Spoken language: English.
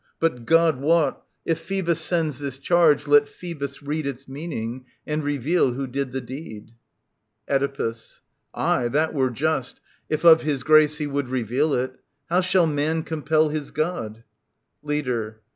But, God wot. If Phoebus sends this charge, let Phoebus read Its meaning and reveal who did the deed. Oedipus. Aye, that were just, if of his grace he would Reveal it. How shall man compel his God ? Leader.